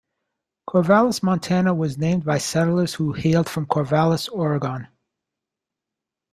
Corvallis, Montana, was named by settlers who hailed from Corvallis, Oregon.